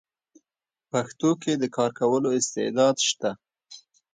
پښتو کې د کار کولو استعداد شته: